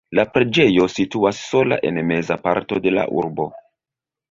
La preĝejo situas sola en meza parto de la urbo.